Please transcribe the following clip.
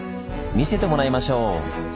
見せてもらいましょう！